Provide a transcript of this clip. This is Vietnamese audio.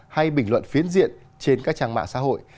hay bình luận phiến diện trên các trang mạng xã hội